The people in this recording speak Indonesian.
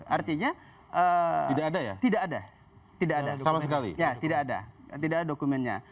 artinya tidak ada dokumennya